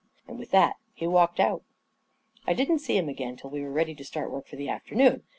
" And with that he walked out. I didn't see him again till we were ready to start work for the afternoon.